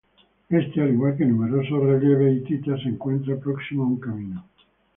Este, al igual que numerosos relieves hititas, se encuentra próximo a un camino.